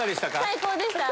最高でした！